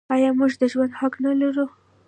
آیا موږ د ژوند حق نلرو؟